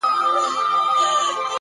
موږ د تاوان په کار کي یکایک ده ګټه کړې،